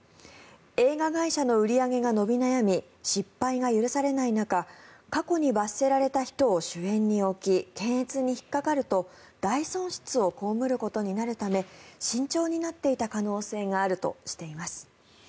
映画会社の売り上げが伸び悩み失敗が許されない中過去に罰せられた人を主演に置き検閲に引っかかると大損失を被ることになるため慎重になっていた可能性があるとしています。